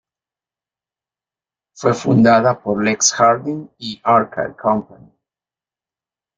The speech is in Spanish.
Fue fundada por Lex Harding y Arcade Company.